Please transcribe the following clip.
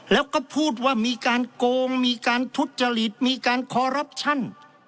แล้วก็พูดว่ามีการโกงมีการทุจริตมีการคอรัปชั่น